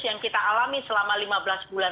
yang kita alami selama lima belas bulan